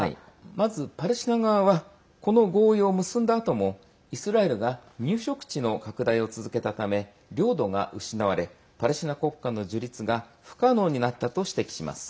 まずパレスチナ側はこの合意を結んだあともイスラエルが入植地の拡大を続けたため領土が失われパレスチナ国家の樹立が不可能になったと指摘します。